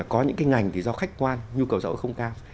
có những cái ngành thì do khách quan nhu cầu rõ không cao